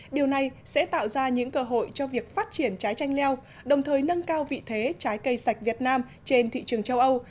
điều này sẽ tạo ra những cơ hội cho việc phát triển trái tranh leo đồng thời nâng cao vị thế trái cây sạch việt nam trên thị trường châu âu